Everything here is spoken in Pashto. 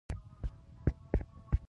پسه غریب خلک هم ساتي.